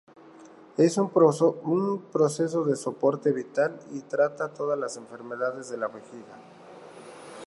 Es un proceso de soporte vital y trata todas las enfermedades de la vejiga.